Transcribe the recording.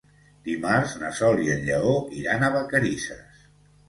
Dimarts na Sol i en Lleó iran a Vacarisses.